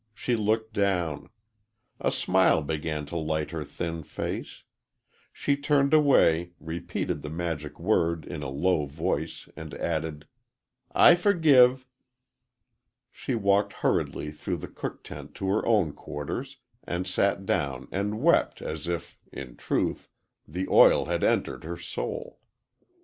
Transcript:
She looked down. A smile began to light her thin face. She turned away, repeated the magic word in a low voice, and added, "I forgive." She walked hurriedly through the cook tent to her own quarters, and sat down and wept as if, in truth, the oil had entered her soul.